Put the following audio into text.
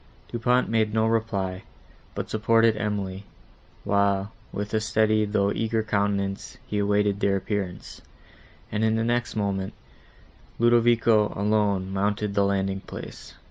Du Pont made no reply, but supported Emily, while, with a steady, though eager, countenance, he awaited their appearance, and, in the next moment, Ludovico, alone, mounted the landing place.